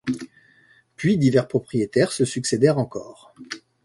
Puis divers propriétaires se succèdent encore.